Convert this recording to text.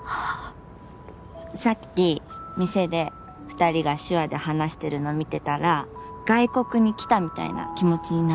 さっき店で２人が手話で話してるのを見てたら外国に来たみたいな気持ちになった。